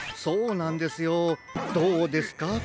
そうなんですよどうですか？